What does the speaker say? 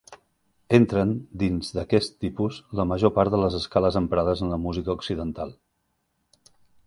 Entren dins d'aquest tipus la major part de les escales emprades en la música occidental.